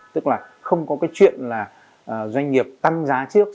tức là không có cái chuyện là doanh nghiệp tăng giá trước